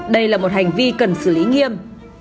đây là một hành vi cần xử lý nghiêm